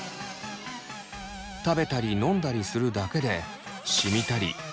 食べたり飲んだりするだけでしみたり痛んだりします。